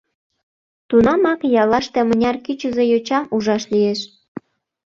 Тунамак яллаште мыняр кӱчызӧ йочам ужаш лиеш.